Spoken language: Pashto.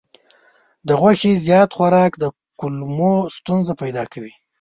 د غوښې زیات خوراک د کولمو ستونزې پیدا کوي.